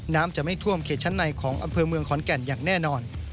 จะไม่ท่วมเขตชั้นในของอำเภอเมืองขอนแก่นอย่างแน่นอน